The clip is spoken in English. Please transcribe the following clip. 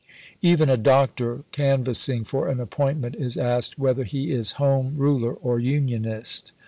Even a doctor, canvassing for an appointment, is asked whether he is Home Ruler or Unionist.